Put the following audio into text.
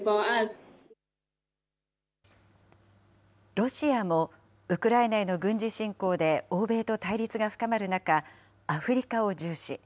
ロシアも、ウクライナへの軍事侵攻で欧米と対立が深まる中、アフリカを重視。